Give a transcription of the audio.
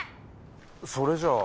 それじゃあ。